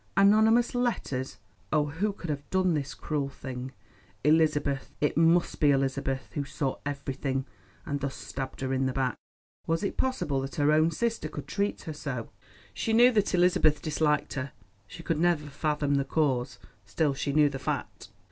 Anonymous letters! oh, who could have done this cruel thing? Elizabeth, it must be Elizabeth, who saw everything, and thus stabbed her in the back. Was it possible that her own sister could treat her so? She knew that Elizabeth disliked her; she could never fathom the cause, still she knew the fact.